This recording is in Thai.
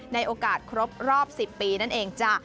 ในโอกาสครบรอบ๑๐ปีนั่นเองจ้ะ